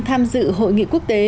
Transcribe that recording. tham dự hội nghị quốc tế